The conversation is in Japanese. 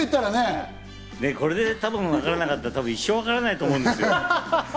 これでわからなかったら、多分、一生わからないと思うんですよ。